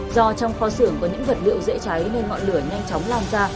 do trong kho xưởng có những vật liệu dễ cháy nên ngọn lửa nhanh chóng lan ra